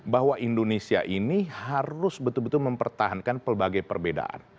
bahwa indonesia ini harus betul betul mempertahankan pelbagai perbedaan